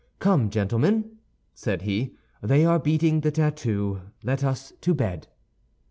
"Come, gentlemen," said he, "they are beating the tattoo. Let us to bed!"